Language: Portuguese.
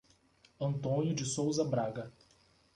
Antônio de Souza Braga